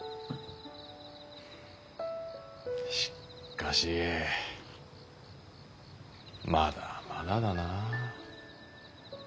しかしまだまだだなあ。